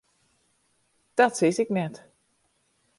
Dat sis ik net.